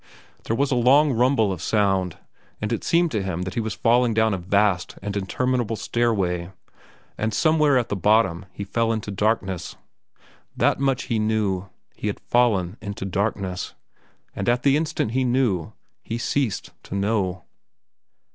There was a long rumble of sound, and it seemed to him that he was falling down a vast and interminable stairway. And somewhere at the bottom he fell into darkness. That much he knew. He had fallen into darkness. And at the instant he knew, he ceased to know.